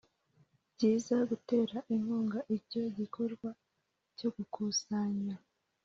Byiza gutera inkunga icyo gikorwa cyo gukusanya